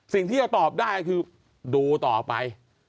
สิ่งยังคิดจะตอบตอบได้คือดูต่อไป